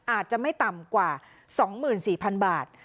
อาจจะไม่ต่ำกว่า๒๔๐๐๐บาท